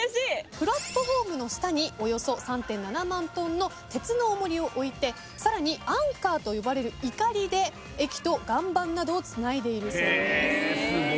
プラットホームの下におよそ３．７万トンの鉄の重りを置いてさらにアンカーと呼ばれるいかりで駅と岩盤などをつないでいるそうです。